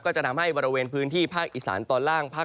จะทำให้บริเวณพื้นที่ภาคอีสานตอนล่างภาค